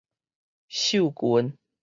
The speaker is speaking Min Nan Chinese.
繡裙